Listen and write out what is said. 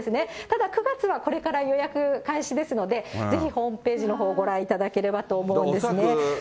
ただ９月はこれから予約開始ですので、ぜひホームページのほう、ご覧いただければと思うんですね。